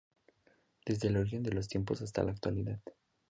Desde el origen de los tiempos hasta la actualidad.